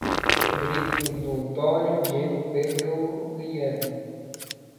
Rodrigo convidou Antônio, Diego, Pedro, Guilherme